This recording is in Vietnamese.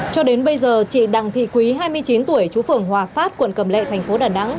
cho đến bây giờ chị đặng thị quý hai mươi chín tuổi chú phường hòa phát quận cầm lệ thành phố đà nẵng